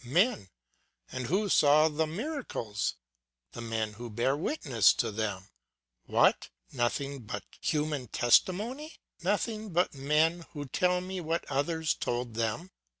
Men. And who saw the miracles? The men who bear witness to them. What! Nothing but human testimony! Nothing but men who tell me what others told them!